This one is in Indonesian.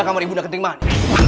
greda kamar ibu nakenting mani